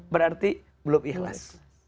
berarti belum ikhlas